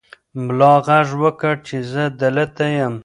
ملا غږ وکړ چې زه دلته یم.